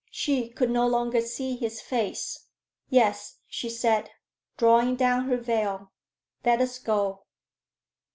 She could no longer see his face. "Yes," she said, drawing down her veil, "let us go."